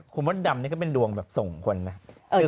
คุณเมกร์ดำนี้ก็เป็นดวงแบบส่งไหน